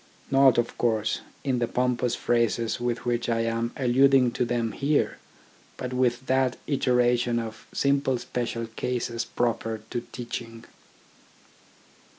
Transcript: Not, of course, in the pompous phrases with which I am alluding to them here, but with that iteration of simple special cases proper to teaching.